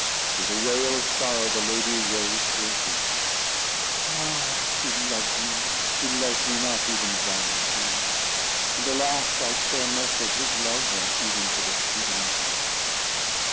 With a wail of sorrow the lady rose to her feet. "Ah! he loves me not; he loves me not even as I love him; and alas! I care more for his love than even for the freedom I ask."